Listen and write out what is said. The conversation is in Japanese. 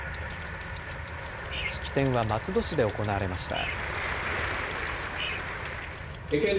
式典は松戸市で行われました。